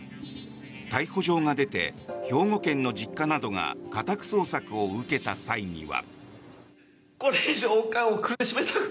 逮捕状が出て兵庫県の実家などが家宅捜索を受けた際には。